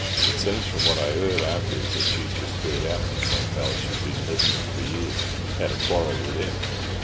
"It seems from what I heard afterwards that she'd just cleared out from some fellow she'd been livin' with for years—had a quarrel with him.